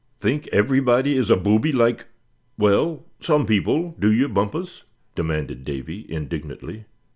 "Think everybody is a booby like, well, some people, do you, Bumpus?" demanded Davy, indignantly.